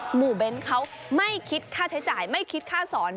เบ้นเขาไม่คิดค่าใช้จ่ายไม่คิดค่าสอน